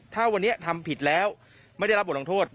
ถ้าวันนี้ทำผิดแล้วไม่ได้รับบทลงโทษ